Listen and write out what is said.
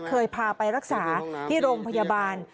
เคยพาไปรักษาที่โรงพยาบาล